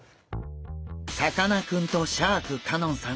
さかなクンとシャーク香音さん